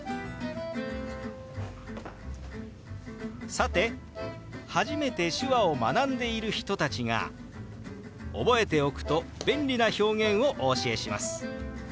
さて初めて手話を学んでいる人たちが覚えておくと便利な表現をお教えします。